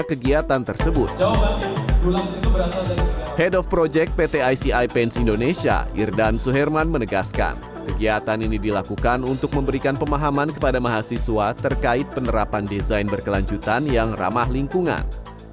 head of project indonesia irdan suherman menegaskan kegiatan ini dilakukan untuk memberikan pemahaman kepada mahasiswa terkait penerapan desain berkelanjutan yang ramah lingkungan